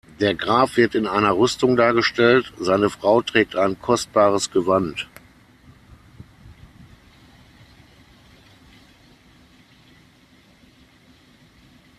Der Graf wird in einer Rüstung dargestellt, seine Frau trägt ein kostbares Gewand.